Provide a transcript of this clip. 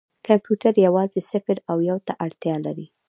کمپیوټر یوازې صفر او یو ته اړتیا لري.